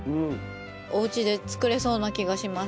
お家で作れそうな気がします。